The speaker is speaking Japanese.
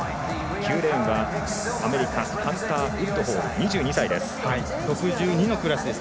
９レーンはアメリカハンター・ウッドホール２２歳です。